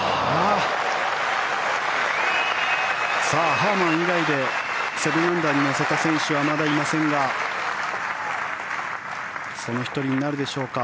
ハーマン以外で７アンダーに乗せた選手はまだいませんがその１人になるでしょうか。